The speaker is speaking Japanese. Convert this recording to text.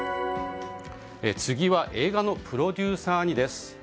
次は映画のプロデューサーに？です。